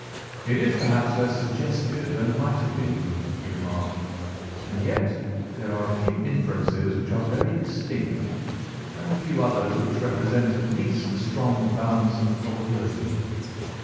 "It is perhaps less suggestive than it might have been," he remarked, "and yet there are a few inferences which are very distinct, and a few others which represent at least a strong balance of probability.